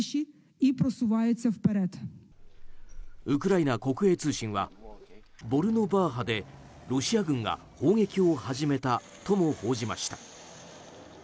ウクライナ国営通信はボルノバーハで、ロシア軍が砲撃を始めたとも報じました。